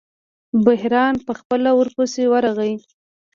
بحیرا په خپله ورپسې ورغی.